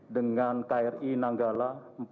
dengan kri nanggala empat ratus